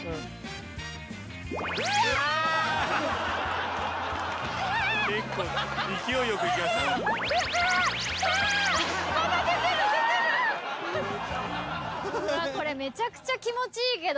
うーわっこれめちゃくちゃ気持ちいいけど。